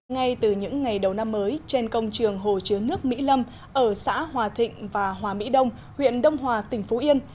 ngay từ những ngày đầu năm mới trên công trường hồ chứa nước mỹ lâm ở xã hòa thịnh và hòa mỹ đông huyện đông hòa tỉnh phú yên